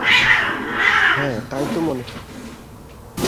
হ্যাঁ তাই তো মনে হয়।